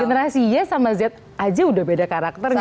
generasi y sama z aja udah beda karakternya